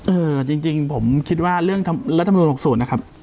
เออจริงผมคิดว่าเรื่องรัฐมนุน๖๐นะครับ